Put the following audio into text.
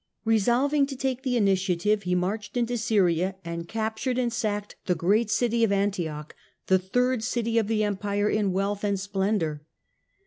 Resolving to take the initiative, he marched into Syria and captured and sacked the great city of Antioch, the third city of the Empire in wealth and splendour.